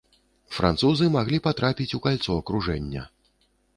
Французы маглі патрапіць у кальцо акружэння.